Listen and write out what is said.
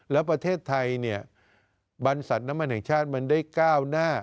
แล้วประเทศไทยเนี่ยบรรษัทน้ำมันแห่งชาติมันได้ก้าวหน้า